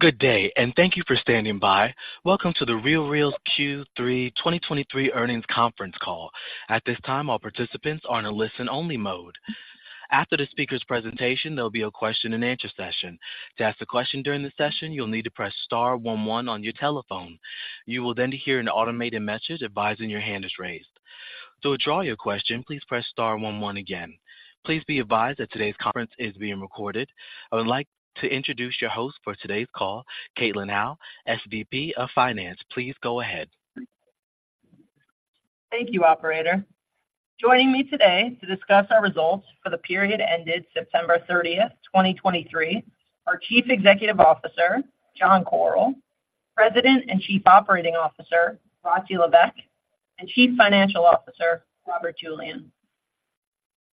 Good day, and thank you for standing by. Welcome to The RealReal Q3 2023 Earnings Conference Call. At this time, all participants are in a listen-only mode. After the speaker's presentation, there'll be a question-and-answer session. To ask a question during the session, you'll need to press star one one on your telephone. You will then hear an automated message advising your hand is raised. To withdraw your question, please press star one one again. Please be advised that today's conference is being recorded. I would like to introduce your host for today's call, Caitlin Howe, SVP of Finance. Please go ahead. Thank you, operator. Joining me today to discuss our results for the period ended September 30th, 2023, are Chief Executive Officer John Koryl, President and Chief Operating Officer Rati Levesque, and Chief Financial Officer Robert Julian.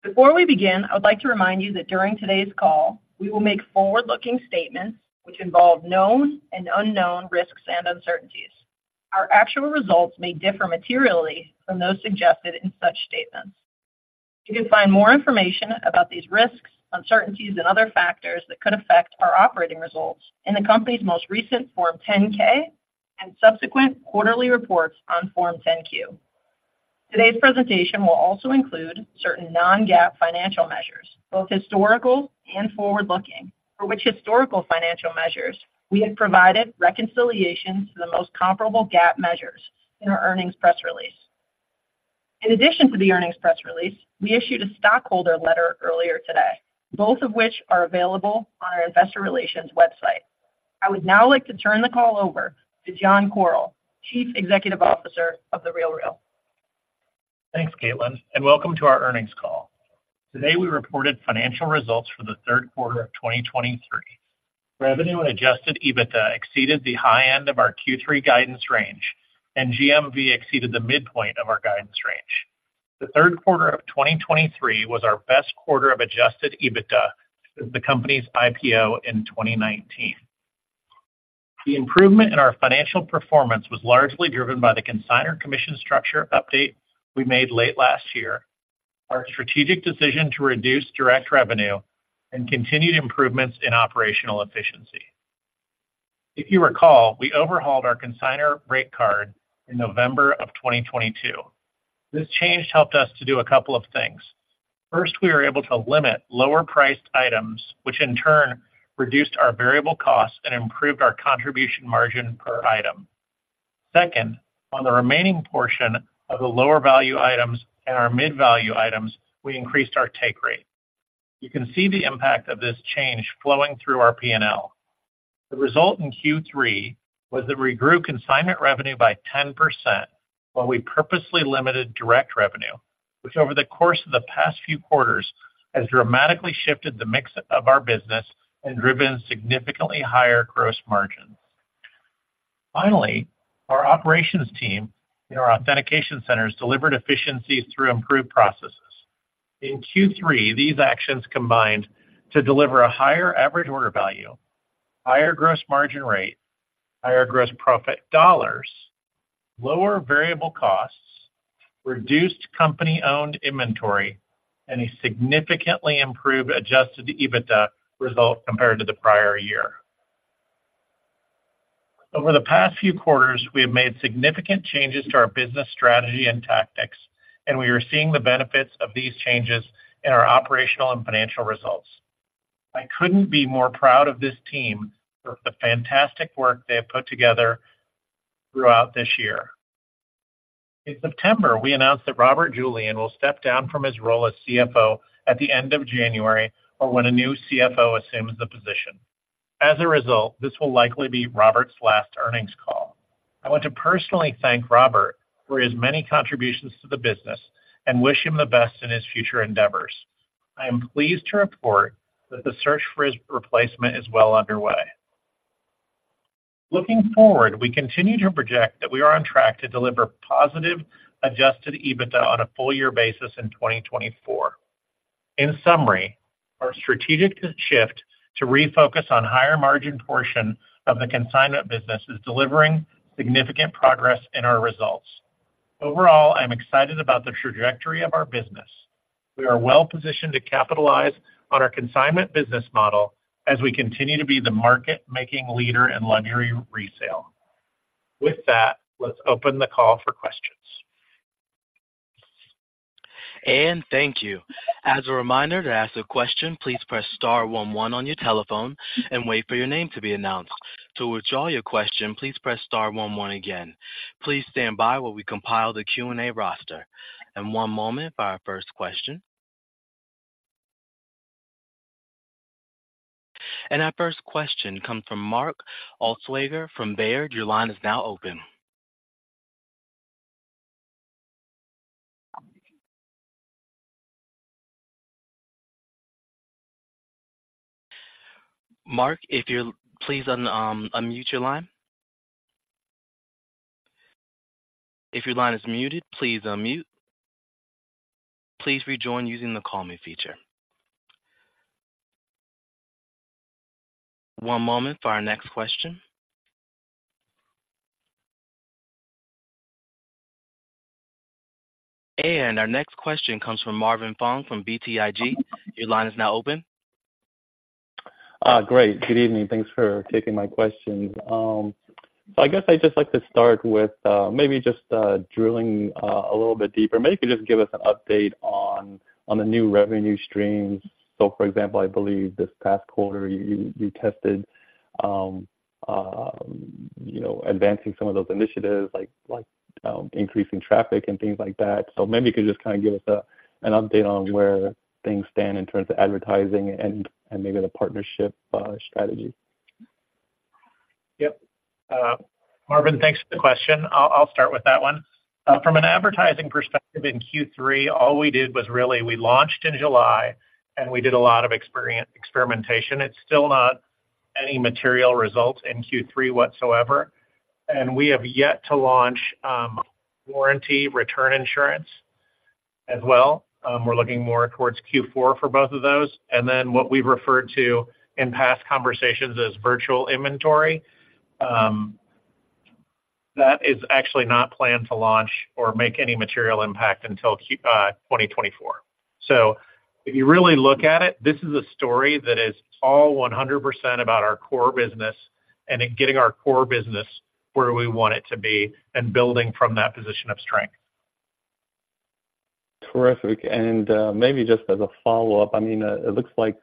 Before we begin, I would like to remind you that during today's call, we will make forward-looking statements which involve known and unknown risks and uncertainties. Our actual results may differ materially from those suggested in such statements. You can find more information about these risks, uncertainties, and other factors that could affect our operating results in the company's most recent Form 10-K and subsequent quarterly reports on Form 10-Q. Today's presentation will also include certain non-GAAP financial measures, both historical and forward-looking, for which historical financial measures we have provided reconciliations to the most comparable GAAP measures in our earnings press release. In addition to the earnings press release, we issued a stockholder letter earlier today, both of which are available on our Investor Relations website. I would now like to turn the call over to John Koryl, Chief Executive Officer of The RealReal. Thanks, Caitlin, and welcome to our earnings call. Today, we reported financial results for the third quarter of 2023. Revenue and Adjusted EBITDA exceeded the high end of our Q3 guidance range, and GMV exceeded the midpoint of our guidance range. The third quarter of 2023 was our best quarter of Adjusted EBITDA since the company's IPO in 2019. The improvement in our financial performance was largely driven by the consignor commission structure update we made late last year, our strategic decision to reduce direct revenue, and continued improvements in operational efficiency. If you recall, we overhauled our consignor rate card in November of 2022. This change helped us to do a couple of things. First, we were able to limit lower-priced items, which in turn reduced our variable costs and improved our contribution margin per item. Second, on the remaining portion of the lower value items and our mid-value items, we increased our take rate. You can see the impact of this change flowing through our P&L. The result in Q3 was that we grew consignment revenue by 10%, while we purposely limited direct revenue, which over the course of the past few quarters, has dramatically shifted the mix of our business and driven significantly higher gross margins. Finally, our operations team in our authentication centers delivered efficiencies through improved processes. In Q3, these actions combined to deliver a higher average order value, higher gross margin rate, higher gross profit dollars, lower variable costs, reduced company-owned inventory, and a significantly improved Adjusted EBITDA result compared to the prior year. Over the past few quarters, we have made significant changes to our business strategy and tactics, and we are seeing the benefits of these changes in our operational and financial results. I couldn't be more proud of this team for the fantastic work they have put together throughout this year. In September, we announced that Robert Julian will step down from his role as CFO at the end of January, or when a new CFO assumes the position. As a result, this will likely be Robert's last earnings call. I want to personally thank Robert for his many contributions to the business and wish him the best in his future endeavors. I am pleased to report that the search for his replacement is well underway. Looking forward, we continue to project that we are on track to deliver positive Adjusted EBITDA on a full-year basis in 2024. In summary, our strategic shift to refocus on higher margin portion of the consignment business is delivering significant progress in our results. Overall, I'm excited about the trajectory of our business. We are well positioned to capitalize on our consignment business model as we continue to be the market-making leader in luxury resale. With that, let's open the call for questions. Thank you. As a reminder to ask a question, please press star one one on your telephone and wait for your name to be announced. To withdraw your question, please press star one one again. Please stand by while we compile the Q&A roster. One moment for our first question. Our first question comes from Mark Altschwager from Baird. Your line is now open. Mark, if you'll please unmute your line. If your line is muted, please unmute. Please rejoin using the Call Me feature. One moment for our next question. Our next question comes from Marvin Fong from BTIG. Your line is now open. Great. Good evening. Thanks for taking my questions. So I guess I'd just like to start with, maybe just, drilling a little bit deeper. Maybe you could just give us an update on the new revenue streams. So, for example, I believe this past quarter, you tested, you know, advancing some of those initiatives, like, increasing traffic and things like that. So maybe you could just kind of give us an update on where things stand in terms of advertising and maybe the partnership strategy. Yep. Marvin, thanks for the question. I'll start with that one. From an advertising perspective, in Q3, all we did was really, we launched in July, and we did a lot of experimentation. It's still not any material results in Q3 whatsoever, and we have yet to launch, warranty return insurance as well. We're looking more towards Q4 for both of those. And then what we've referred to in past conversations as Virtual Inventory, that is actually not planned to launch or make any material impact until 2024. So if you really look at it, this is a story that is all 100% about our core business and in getting our core business where we want it to be and building from that position of strength. Terrific. Maybe just as a follow-up, I mean, it looks like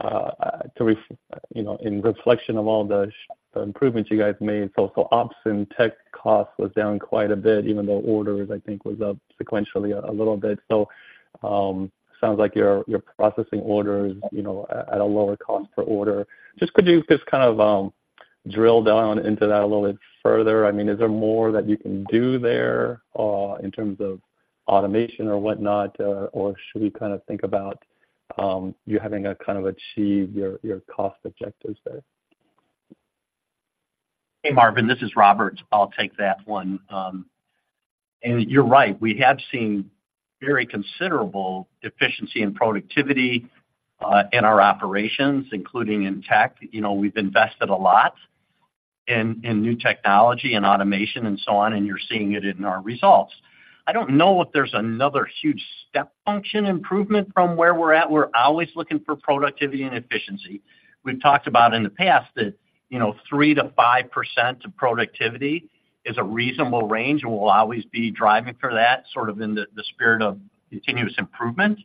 to reflect, you know, in reflection of all the significant improvements you guys made, so ops and tech costs was down quite a bit, even though orders, I think, was up sequentially a little bit. So, sounds like you're processing orders, you know, at a lower cost per order. Just could you just kind of drill down into that a little bit further? I mean, is there more that you can do there in terms of automation or whatnot? Or should we kind of think about you having kind of achieve your cost objectives there? Hey, Marvin, this is Robert. I'll take that one. And you're right, we have seen very considerable efficiency and productivity in our operations, including in tech. You know, we've invested a lot in new technology and automation and so on, and you're seeing it in our results. I don't know if there's another huge step function improvement from where we're at. We're always looking for productivity and efficiency. We've talked about in the past that, you know, 3%-5% of productivity is a reasonable range, and we'll always be driving for that, sort of in the spirit of continuous improvement.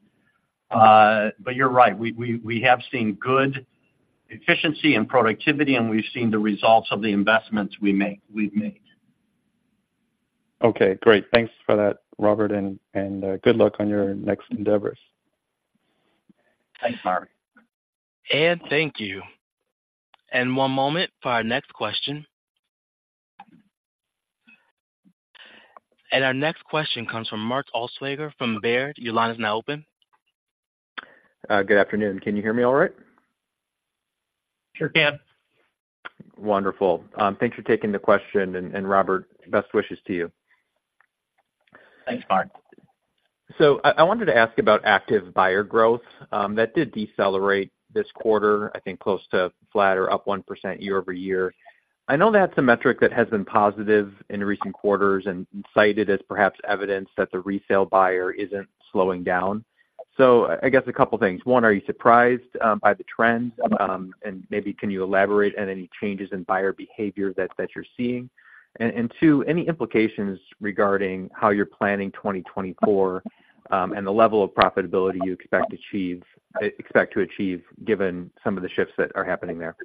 But you're right, we have seen good efficiency and productivity, and we've seen the results of the investments we've made. Okay, great. Thanks for that, Robert, and good luck on your next endeavors. Thanks, Marvin. Thank you. One moment for our next question. Our next question comes from Mark Altschwager from Baird. Your line is now open. Good afternoon. Can you hear me all right? Sure can. Wonderful. Thanks for taking the question, and Robert, best wishes to you. Thanks, Mark. So I wanted to ask about active buyer growth that did decelerate this quarter, I think close to flat or up 1% year-over-year. I know that's a metric that has been positive in recent quarters and cited as perhaps evidence that the resale buyer isn't slowing down. So I guess a couple things. One, are you surprised by the trends? And maybe can you elaborate on any changes in buyer behavior that you're seeing? And two, any implications regarding how you're planning 2024 and the level of profitability you expect to achieve, given some of the shifts that are happening there?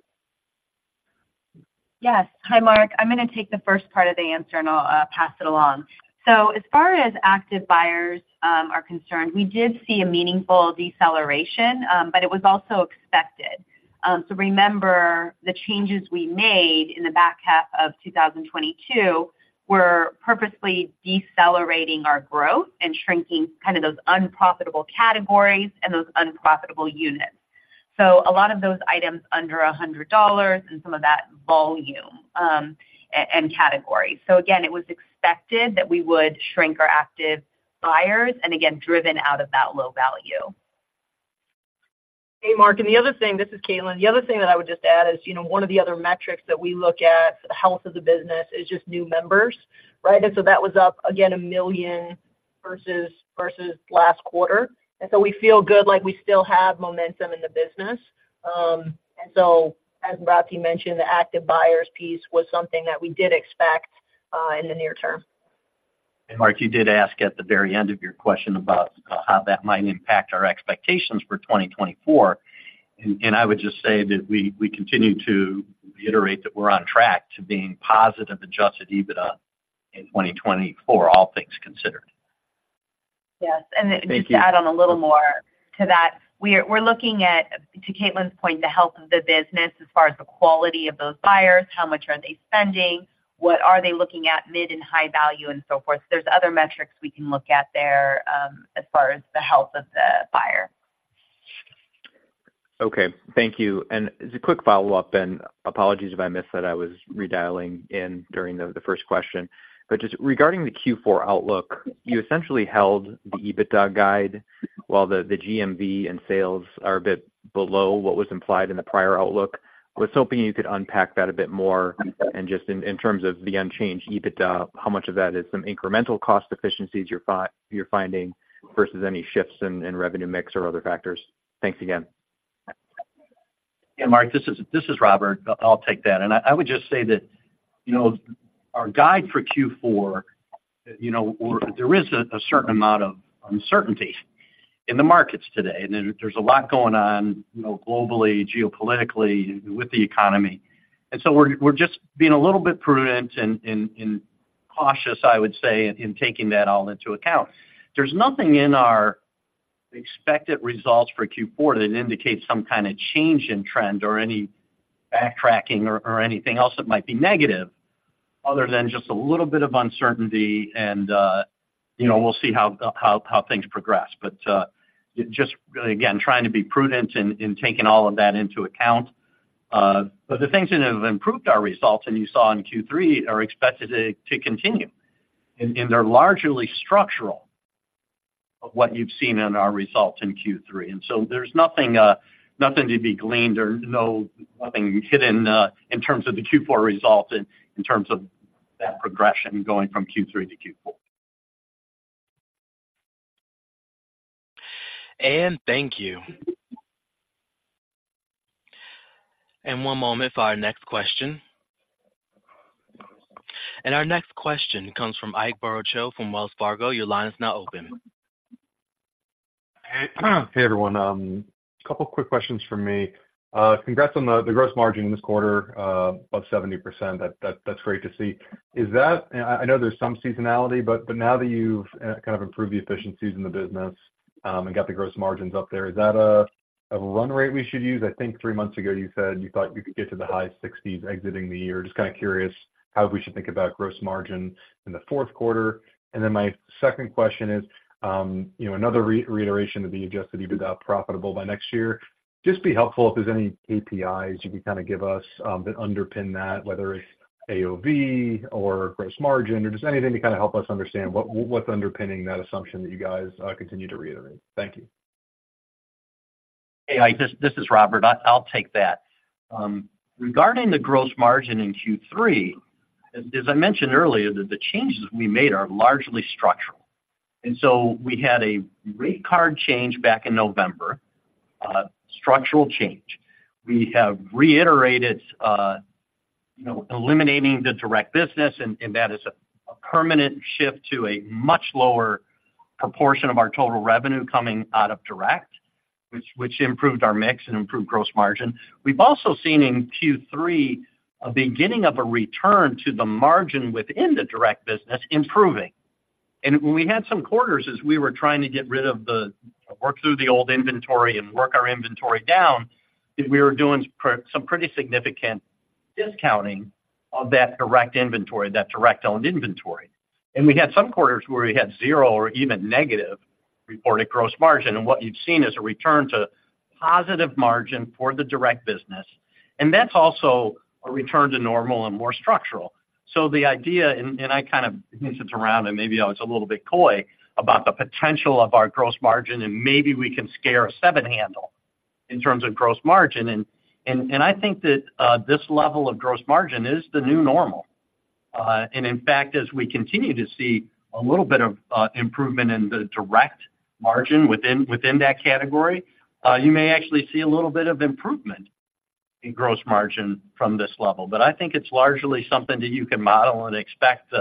Yes. Hi, Mark. I'm gonna take the first part of the answer, and I'll pass it along. So as far as active buyers are concerned, we did see a meaningful deceleration, but it was also expected. So remember, the changes we made in the back half of 2022 were purposely decelerating our growth and shrinking kind of those unprofitable categories and those unprofitable units. So a lot of those items under $100 and some of that volume and category. So again, it was expected that we would shrink our active buyers and again, driven out of that low value. Hey, Mark, and the other thing... This is Caitlin. The other thing that I would just add is, you know, one of the other metrics that we look at, the health of the business, is just new members, right? And so that was up, again, 1 million versus last quarter. And so we feel good, like we still have momentum in the business. And so, as Rati mentioned, the active buyers piece was something that we did expect in the near term. Mark, you did ask at the very end of your question about how that might impact our expectations for 2024. And I would just say that we continue to reiterate that we're on track to being positive Adjusted EBITDA in 2024, all things considered. Yes, and- Thank you. Just to add on a little more to that, we're looking at, to Caitlin's point, the health of the business as far as the quality of those buyers, how much are they spending, what are they looking at, mid and high value, and so forth. There's other metrics we can look at there, as far as the health of the buyer. Okay. Thank you. As a quick follow-up, and apologies if I missed that, I was redialing in during the first question. But just regarding the Q4 outlook, you essentially held the EBITDA guide, while the GMV and sales are a bit below what was implied in the prior outlook. I was hoping you could unpack that a bit more and just in terms of the unchanged EBITDA, how much of that is some incremental cost efficiencies you're finding versus any shifts in revenue mix or other factors? Thanks again.... Yeah, Mark, this is Robert. I'll take that. And I would just say that, you know, our guide for Q4, you know, there is a certain amount of uncertainty in the markets today, and there's a lot going on, you know, globally, geopolitically, with the economy. And so we're just being a little bit prudent and cautious, I would say, in taking that all into account. There's nothing in our expected results for Q4 that indicates some kind of change in trend or any backtracking or anything else that might be negative, other than just a little bit of uncertainty, and you know, we'll see how things progress. But just again, trying to be prudent in taking all of that into account. But the things that have improved our results, and you saw in Q3, are expected to continue, and they're largely structural of what you've seen in our results in Q3. And so there's nothing, nothing to be gleaned, nothing hidden, in terms of the Q4 results in terms of that progression going from Q3 to Q4. Thank you. One moment for our next question. Our next question comes from Ike Boruchow from Wells Fargo. Your line is now open. Hey, everyone, a couple quick questions from me. Congrats on the gross margin this quarter above 70%. That's great to see. Is that, and I know there's some seasonality, but now that you've kind of improved the efficiencies in the business and got the gross margins up there, is that a run rate we should use? I think three months ago, you said you thought you could get to the high 60s exiting the year. Just kind of curious how we should think about gross margin in the fourth quarter. And then my second question is, you know, another reiteration of the Adjusted EBITDA, profitable by next year. Just be helpful if there's any KPIs you can kind of give us that underpin that, whether it's AOV or gross margin or just anything to kind of help us understand what, what's underpinning that assumption that you guys continue to reiterate. Thank you. Hey, Ike, this is Robert. I'll take that. Regarding the gross margin in Q3, as I mentioned earlier, the changes we made are largely structural. And so we had a rate card change back in November, structural change. We have reiterated, you know, eliminate the direct business, and that is a permanent shift to a much lower proportion of our total revenue coming out of direct, which improved our mix and improved gross margin. We've also seen in Q3 a beginning of a return to the margin within the direct business improving. And we had some quarters as we were trying to get rid of the work through the old inventory and work our inventory down, is we were doing some pretty significant discounting of that direct inventory, that direct-owned inventory. We had some quarters where we had zero or even negative reported gross margin, and what you've seen is a return to positive margin for the direct business, and that's also a return to normal and more structural. So the idea, and, and I kind of hinted around, and maybe I was a little bit coy about the potential of our gross margin, and maybe we can scare a seven handle in terms of gross margin. And, and, and I think that, this level of gross margin is the new normal. And in fact, as we continue to see a little bit of, improvement in the direct margin within, within that category, you may actually see a little bit of improvement in gross margin from this level. But I think it's largely something that you can model and expect,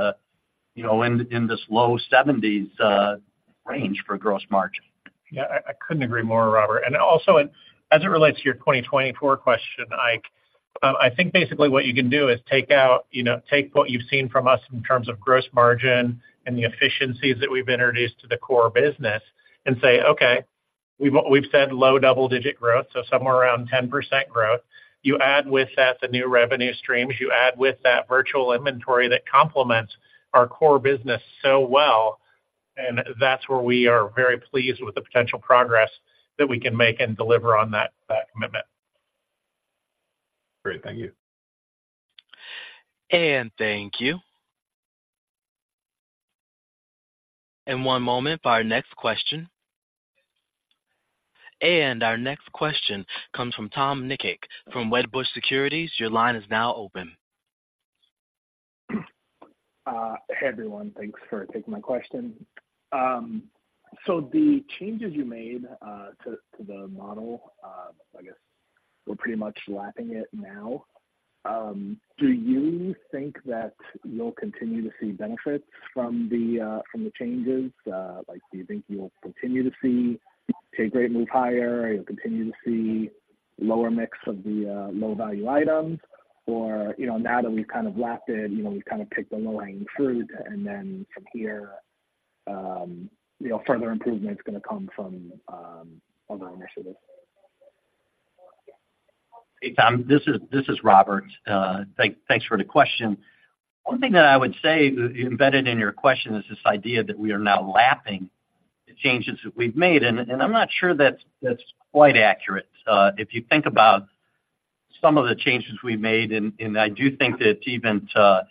you know, in this low 70s% range for gross margin. Yeah, I couldn't agree more, Robert. And also, as it relates to your 2024 question, Ike, I think basically what you can do is take out, you know, take what you've seen from us in terms of gross margin and the efficiencies that we've introduced to the core business and say, okay, we've said low double-digit growth, so somewhere around 10% growth. You add with that the new revenue streams, you add with that Virtual Inventory that complements our core business so well, and that's where we are very pleased with the potential progress that we can make and deliver on that commitment. Great. Thank you. Thank you. One moment for our next question. Our next question comes from Tom Nikic from Wedbush Securities. Your line is now open. Hey, everyone. Thanks for taking my question. So the changes you made to the model, I guess we're pretty much lapping it now. Do you think that you'll continue to see benefits from the changes? Like, do you think you'll continue to see take rate move higher, you'll continue to see lower mix of the low-value items? Or, you know, now that we've kind of lapped it, you know, we've kind of picked the low-hanging fruit, and then from here, you know, further improvement is going to come from other initiatives. Hey, Tom, this is Robert. Thanks for the question. One thing that I would say, embedded in your question, is this idea that we are now lapping the changes that we've made, and I'm not sure that's quite accurate. If you think about some of the changes we made, and I do think that even to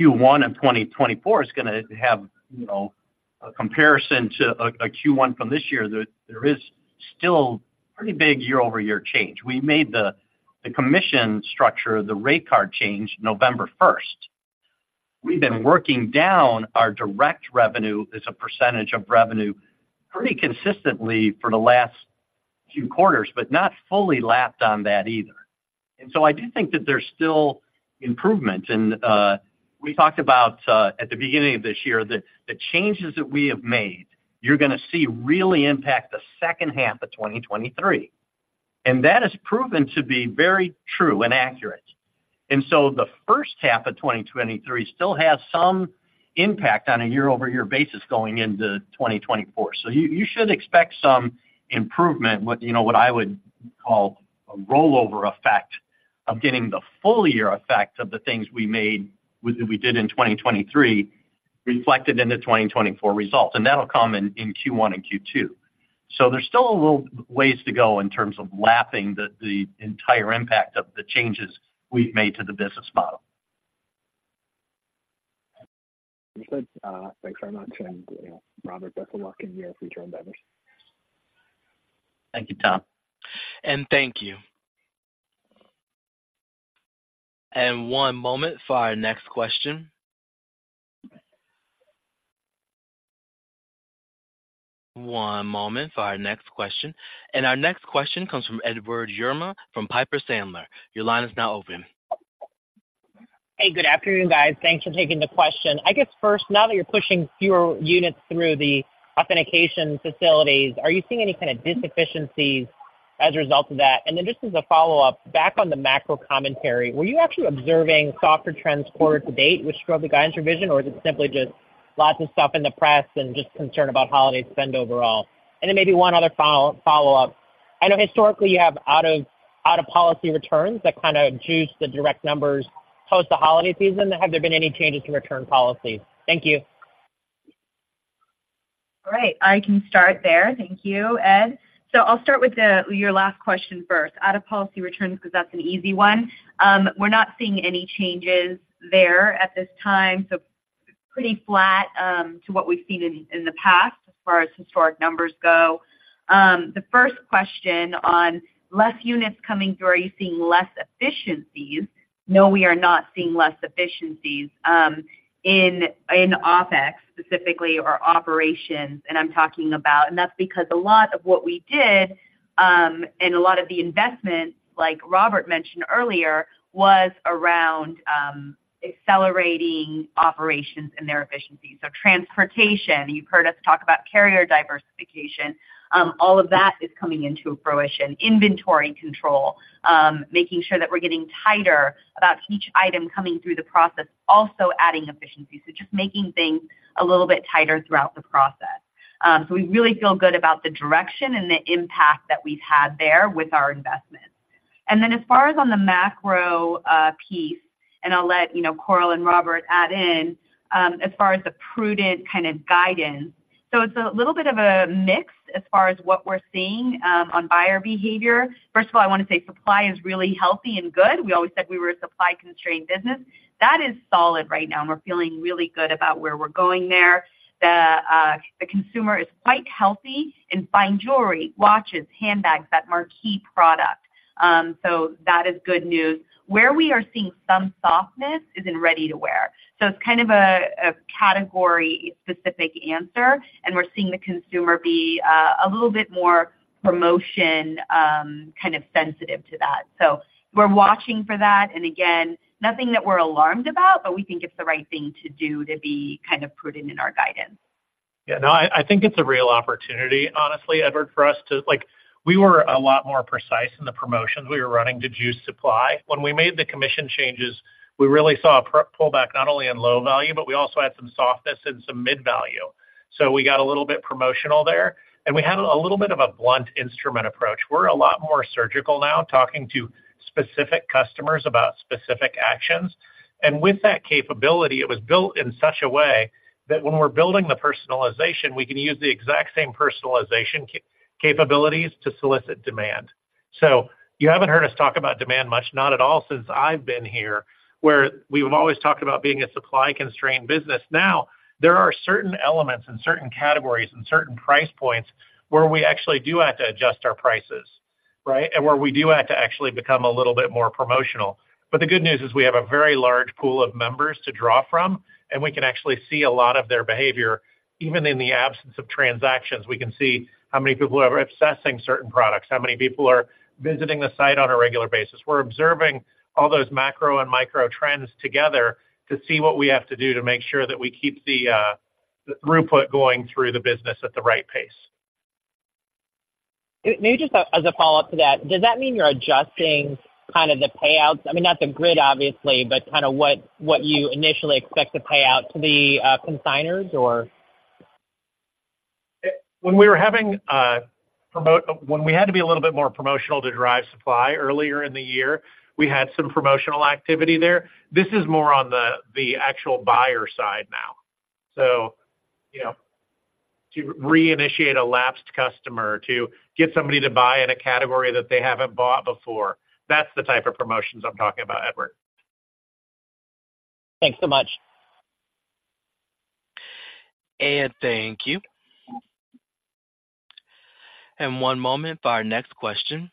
Q1 in 2024 is gonna have, you know, a comparison to a Q1 from this year, there is still pretty big year-over-year change. We made the commission structure, the rate card change, November 1st.... We've been working down our direct revenue as a percentage of revenue pretty consistently for the last few quarters, but not fully lapped on that either. And so I do think that there's still improvement. And, we talked about, at the beginning of this year that the changes that we have made, you're gonna see really impact the second half of 2023. And that has proven to be very true and accurate. And so the first half of 2023 still has some impact on a year-over-year basis going into 2024. So you should expect some improvement with, you know, what I would call a rollover effect of getting the full year effect of the things we made, we did in 2023, reflected in the 2024 results, and that'll come in Q1 and Q2. So there's still a little ways to go in terms of lapping the entire impact of the changes we've made to the business model. Understood. Thanks very much. You know, Robert, best of luck in your future endeavors. Thank you, Tom. And thank you. One moment for our next question, and our next question comes from Edward Yruma from Piper Sandler. Your line is now open. Hey, good afternoon, guys. Thanks for taking the question. I guess first, now that you're pushing fewer units through the authentication facilities, are you seeing any kind of deficiencies as a result of that? And then just as a follow-up, back on the macro commentary, were you actually observing softer trends quarter-to-date, which drove the guidance revision, or is it simply just lots of stuff in the press and just concern about holiday spend overall? And then maybe one other final follow-up. I know historically you have out-of-policy returns that kind of juice the direct numbers post the holiday season. Have there been any changes to return policies? Thank you. All right, I can start there. Thank you, Ed. So I'll start with the, your last question first, out-of-policy returns, because that's an easy one. We're not seeing any changes there at this time, so pretty flat, to what we've seen in, in the past as far as historic numbers go. The first question on less units coming through, are you seeing less efficiencies? No, we are not seeing less efficiencies, in, in OpEx, specifically, our operations, and I'm talking about... And that's because a lot of what we did, and a lot of the investments, like Robert mentioned earlier, was around, accelerating operations and their efficiencies. So transportation, you've heard us talk about carrier diversification, all of that is coming into fruition. Inventory control, making sure that we're getting tighter about each item coming through the process, also adding efficiency. So just making things a little bit tighter throughout the process. So we really feel good about the direction and the impact that we've had there with our investments. And then as far as on the macro piece, and I'll let you know, Koryl and Robert add in, as far as the prudent kind of guidance. So it's a little bit of a mix as far as what we're seeing on buyer behavior. First of all, I want to say supply is really healthy and good. We always said we were a supply-constrained business. That is solid right now, and we're feeling really good about where we're going there. The consumer is quite healthy in fine jewelry, watches, handbags, that marquee product, so that is good news. Where we are seeing some softness is in ready-to-wear. So it's kind of a category-specific answer, and we're seeing the consumer be a little bit more promotion kind of sensitive to that. So we're watching for that, and again, nothing that we're alarmed about, but we think it's the right thing to do to be kind of prudent in our guidance. Yeah, no, I think it's a real opportunity, honestly, Edward, for us to... Like, we were a lot more precise in the promotions we were running to juice supply. When we made the commission changes, we really saw a pullback not only in low value, but we also had some softness in some mid-value. So we got a little bit promotional there, and we had a little bit of a blunt instrument approach. We're a lot more surgical now, talking to specific customers about specific actions. And with that capability, it was built in such a way that when we're building the personalization, we can use the exact same personalization capabilities to solicit demand. So you haven't heard us talk about demand much, not at all, since I've been here, where we've always talked about being a supply-constrained business. Now, there are certain elements and certain categories and certain price points where we actually do have to adjust our prices, right? And where we do have to actually become a little bit more promotional. But the good news is we have a very large pool of members to draw from, and we can actually see a lot of their behavior. Even in the absence of transactions, we can see how many people are obsessing certain products, how many people are visiting the site on a regular basis. We're observing all those macro and micro trends together to see what we have to do to make sure that we keep the, the throughput going through the business at the right pace. Maybe just as a follow-up to that, does that mean you're adjusting kind of the payouts? I mean, not the grid, obviously, but kind of what you initially expect to pay out to the consignors, or? When we had to be a little bit more promotional to drive supply earlier in the year, we had some promotional activity there. This is more on the actual buyer side now. So, you know, to reinitiate a lapsed customer, to get somebody to buy in a category that they haven't bought before, that's the type of promotions I'm talking about, Edward. Thanks so much.... Thank you. One moment for our next question.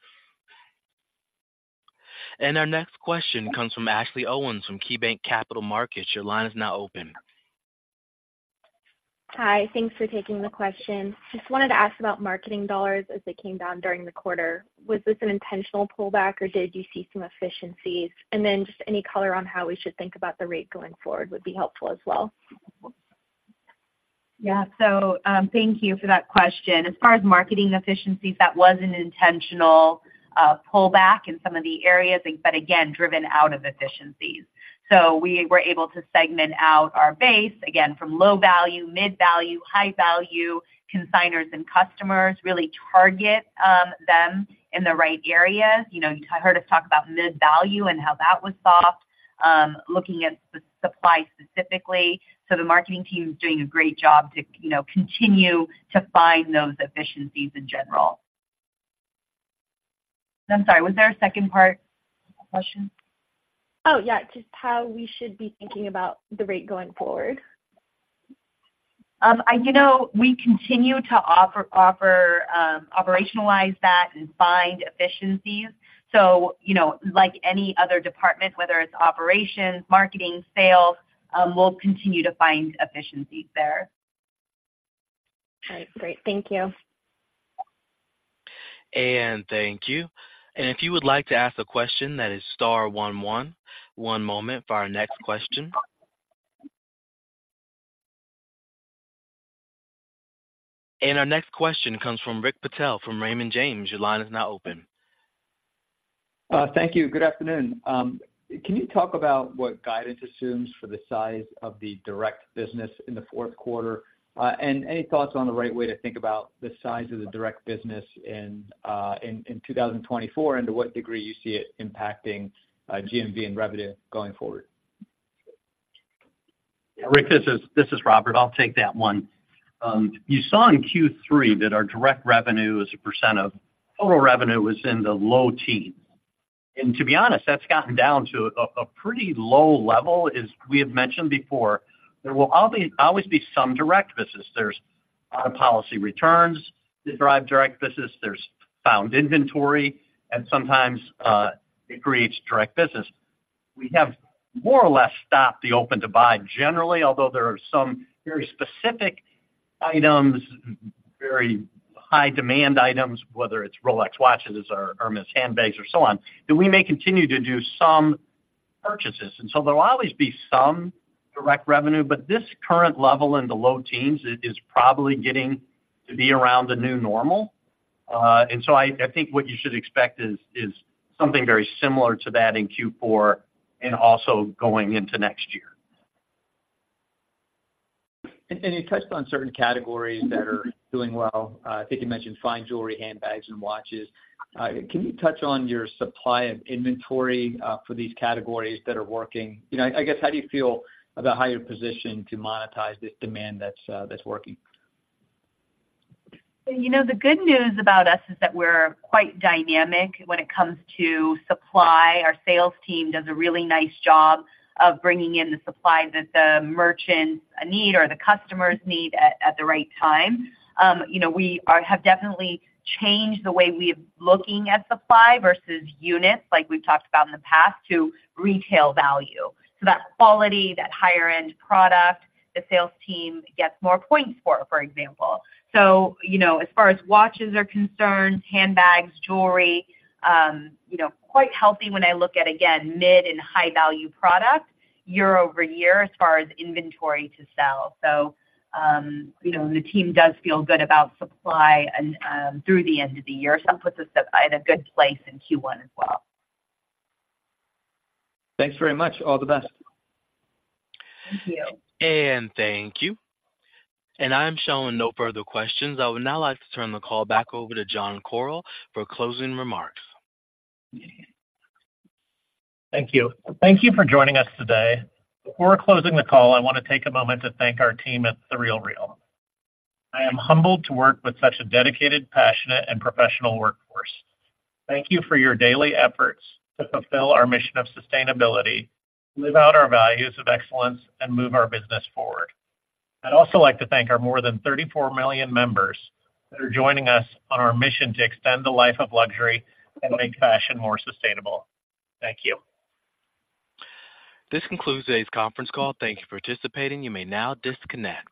Our next question comes from Ashley Owens from KeyBanc Capital Markets. Your line is now open. Hi, thanks for taking the question. Just wanted to ask about marketing dollars as they came down during the quarter. Was this an intentional pullback, or did you see some efficiencies? And then just any color on how we should think about the rate going forward would be helpful as well. Yeah. So, thank you for that question. As far as marketing efficiencies, that was an intentional, pullback in some of the areas, but again, driven out of efficiencies. So we were able to segment out our base, again, from low value, mid value, high value, consignors and customers, really target, them in the right areas. You know, you heard us talk about mid-value and how that was soft, looking at the supply specifically. So the marketing team is doing a great job to, you know, continue to find those efficiencies in general. I'm sorry, was there a second part to the question? Oh, yeah. Just how we should be thinking about the rate going forward. You know, we continue to offer, offer, operationalize that and find efficiencies. So, you know, like any other department, whether it's operations, marketing, sales, we'll continue to find efficiencies there. All right. Great. Thank you. And thank you. And if you would like to ask a question, that is star one one. One moment for our next question. And our next question comes from Rick Patel from Raymond James. Your line is now open. Thank you. Good afternoon. Can you talk about what guidance assumes for the size of the direct business in the fourth quarter? And any thoughts on the right way to think about the size of the direct business in 2024, and to what degree you see it impacting GMV and revenue going forward? Rick, this is Robert. I'll take that one. You saw in Q3 that our direct revenue as a percent of total revenue was in the low teens. And to be honest, that's gotten down to a pretty low level. As we have mentioned before, there will always be some direct business. There's a lot of policy returns that drive direct business. There's found inventory, and sometimes it creates direct business. We have more or less stopped the open to buy generally, although there are some very specific items, very high demand items, whether it's Rolex watches or Hermès handbags or so on, that we may continue to do some purchases. And so there will always be some direct revenue, but this current level in the low teens is probably getting to be around the new normal. And so I think what you should expect is something very similar to that in Q4 and also going into next year. You touched on certain categories that are doing well. I think you mentioned fine jewelry, handbags, and watches. Can you touch on your supply of inventory for these categories that are working? You know, I guess, how do you feel about how you're positioned to monetize this demand that's working? You know, the good news about us is that we're quite dynamic when it comes to supply. Our sales team does a really nice job of bringing in the supply that the merchants need or the customers need at the right time. You know, we have definitely changed the way we're looking at supply versus units, like we've talked about in the past, to retail value. So that quality, that higher-end product, the sales team gets more points for example. So, you know, as far as watches are concerned, handbags, jewelry, you know, quite healthy when I look at, again, mid and high-value products year-over-year as far as inventory to sell. So, you know, the team does feel good about supply and through the end of the year. So that puts us in a good place in Q1 as well. Thanks very much. All the best. Thank you. Thank you. I'm showing no further questions. I would now like to turn the call back over to John Koryl for closing remarks. Thank you. Thank you for joining us today. Before closing the call, I want to take a moment to thank our team at The RealReal. I am humbled to work with such a dedicated, passionate, and professional workforce. Thank you for your daily efforts to fulfill our mission of sustainability, live out our values of excellence, and move our business forward. I'd also like to thank our more than 34 million members that are joining us on our mission to extend the life of luxury and make fashion more sustainable. Thank you. This concludes today's conference call. Thank you for participating. You may now disconnect.